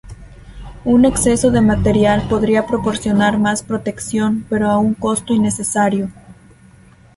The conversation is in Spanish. Un exceso de material podría proporcionar más protección pero a un costo innecesario.